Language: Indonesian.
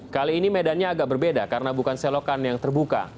kali ini medannya agak berbeda karena bukan selokan yang terbuka